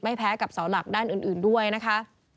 แพ้กับเสาหลักด้านอื่นด้วยนะคะ